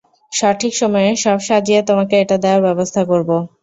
সঠিক সময়ে সব সাজিয়ে তোমাকে এটা দেওয়ার ব্যবস্থা করব।